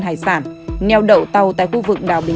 chú khoa t grief